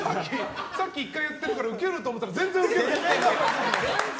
さっき１回やってるからウケると思ったけど全然ウケなかったね。